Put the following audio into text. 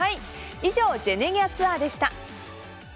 以上、ジェネギャツアでした。